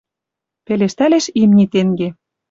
Пелештӓлеш имни тенге